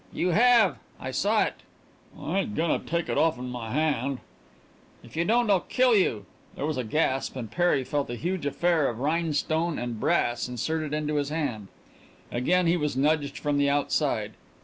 "You have. I saw it." "I ain't goin' to take it offen my hand." "If you don't I'll kill you." There was a gasp and Perry felt a huge affair of rhinestone and brass inserted into his hand. Again he was nudged from the outside.